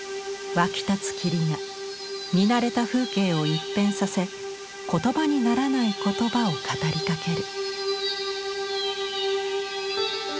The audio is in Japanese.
湧き立つ霧が見慣れた風景を一変させ言葉にならないことばを語りかける。